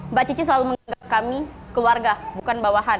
mbak cici selalu menganggap kami keluarga bukan bawahan